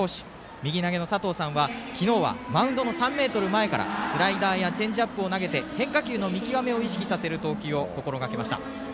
右投げの佐藤さんは昨日はマウンドの３ｍ前からスライダーや変化球を投げて変化球の見極めを意識させる投球を心がけました。